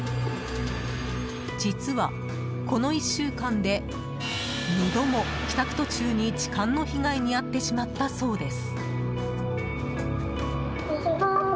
実は、この１週間で２度も帰宅途中に痴漢の被害に遭ってしまったそうです。